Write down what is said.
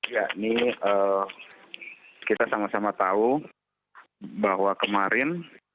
ya ini kita sama sama tahu bahwa kemarin